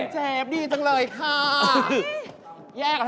เจฟดีจังเลยค่ะ